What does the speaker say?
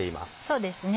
そうですね。